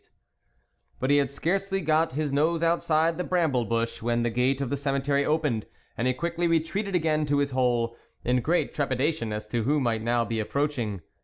THE WOLF LEADER But he had scarcely got his nose outside the bramble bush when the gate of the cemetery opened, and he quickly retreated again to his hole, in great trepidation as to who might now be approaching.